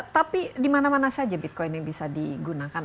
tapi di mana mana saja bitcoin yang bisa digunakan